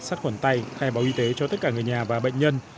sát khuẩn tay khai báo y tế cho tất cả người nhà và bệnh nhân